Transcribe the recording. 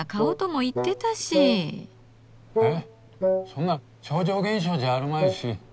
そんな超常現象じゃあるまいし。